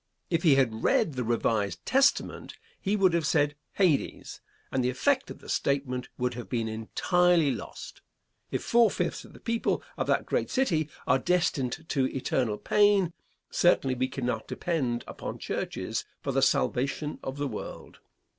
If he had read the revised Testament he would have said "Hades," and the effect of the statement would have been entirely lost. If four fifths of the people of that great city are destined to eternal pain, certainly we cannot depend upon churches for the salvation of the world.